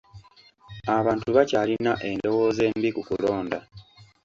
Abantu bakyalina endowooza embi ku kulonda.